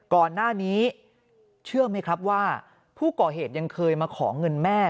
ก่อนหน้านี้เชื่อไหมครับว่าผู้ก่อเหตุยังเคยมาขอเงินแม่